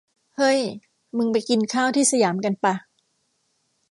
เฮ้ย มึง ไปกินข้าวที่สยามกันปะ